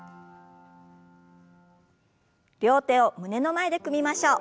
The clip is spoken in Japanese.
両手を胸の前で組みましょう。